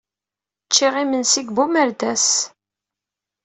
Ččiɣ imensi deg Bumerdas.